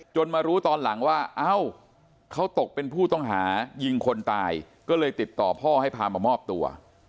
มารู้ตอนหลังว่าเอ้าเขาตกเป็นผู้ต้องหายิงคนตายก็เลยติดต่อพ่อให้พามามอบตัว